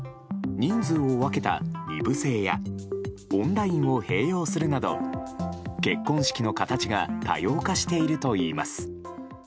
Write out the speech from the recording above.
人数を分けた２部制やオンラインを併用するなど結婚式の形が多様化しているといいます。